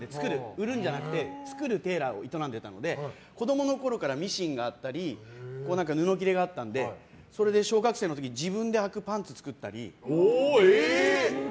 売るんじゃなくて作るテーラーを営んでいたので子供のころからミシンがあったり布切れがあったのでそれで小学生の時に自分が履くパンツ作ったり。